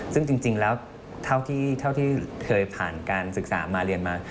ซึ่งจริงแล้วเท่าที่เคยผ่านการศึกษามาเรียนมา